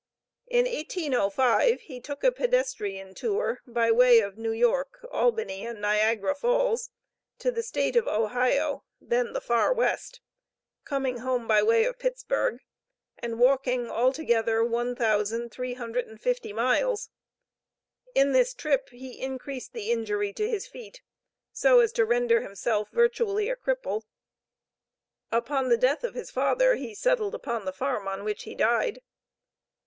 In 1805 he took a pedestrian tour, by way of New York, Albany, and Niagara Falls to the State of Ohio, then the far West, coming home by way of Pittsburg, and walking altogether one thousand three hundred and fifty miles. In this trip he increased the injury to his feet, so as to render himself virtually a cripple. Upon the death of his father, he settled upon the farm, on which he died.